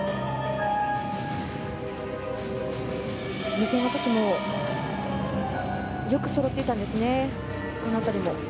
予選の時もよくそろっていたんですね。